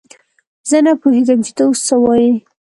زه نه پوهېږم چې ته اوس څه وايې!